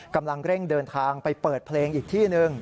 กำลังเร่งเดินทางไปเปิดเพลงอีกที่หนึ่ง